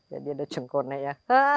jadi ada cengkone ya